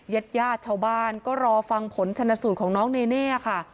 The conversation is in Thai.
ญาติญาติชาวบ้านก็รอฟังผลชนสูตรของน้องเนเน่ค่ะ